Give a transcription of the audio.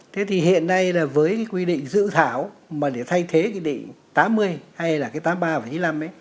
thế thì hiện nay là với quy định dự thảo mà để thay thế nghị định tám mươi hay là cái tám mươi ba vậy